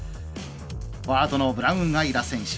フォワードのブラウンアイラ選手。